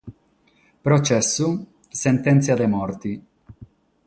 Protzessu, sentèntzia de morte.